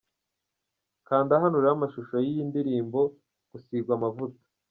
Kanda hano urebe amashusho y'iyi ndirimbo 'Gusigwa amavuta' .